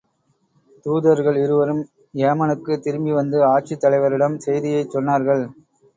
தூதர்கள் இருவரும் ஏமனுக்குத் திரும்பி வந்து, ஆட்சித் தலைவரிடம் செய்தியைச் சொன்னார்கள்.